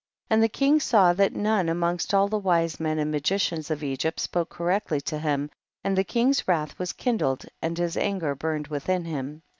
26. And the king saw that none amongst all the wise men and magi cians of Egypt spoke correctly to him, and the king's wrath was kin dled, and his anger burned within him.